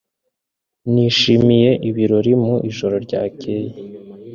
Nishimiye ibirori mu ijoro ryakeye